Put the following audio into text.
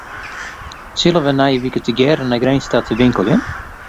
Sille wy nije wike tegearre nei Grins ta te winkeljen?